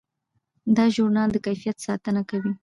دا ژورنال د کیفیت ساتنه کوي.